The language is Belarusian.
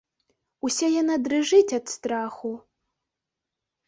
Уся яна дрыжыць ад страху.